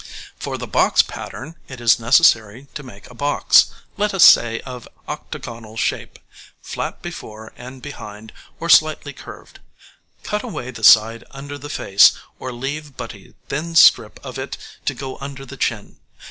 For the box pattern it is necessary to make a box, let us say of octagonal shape, flat before and behind, or slightly curved; cut away the side under the face, or leave but a thin strip of it to go under the chin.